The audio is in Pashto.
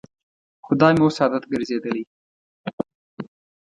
خو دا مې اوس عادت ګرځېدلی.